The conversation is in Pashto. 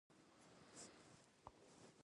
دوی یې په هېڅ وجه نه مني.